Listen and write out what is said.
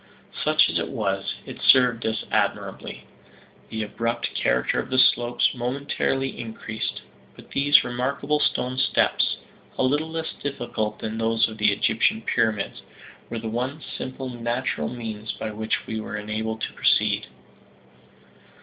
Such as it was, it served us admirably. The abrupt character of the slopes momentarily increased, but these remarkable stone steps, a little less difficult than those of the Egyptian pyramids, were the one simple natural means by which we were enabled to proceed.